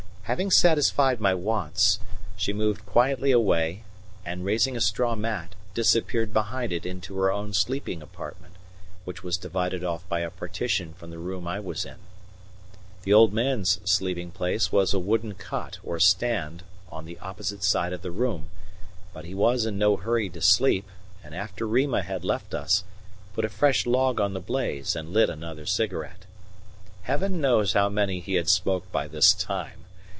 Having satisfied my wants, she moved quietly away and, raising a straw mat, disappeared behind it into her own sleeping apartment, which was divided off by a partition from the room I was in. The old man's sleeping place was a wooden cot or stand on the opposite side of the room, but he was in no hurry to sleep, and after Rima had left us, put a fresh log on the blaze and lit another cigarette. Heaven knows how many he had smoked by this time.